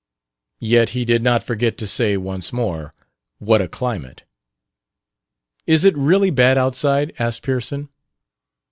Yet he did not forget to say once more, "What a climate!" "Is it really bad outside?" asked Pearson.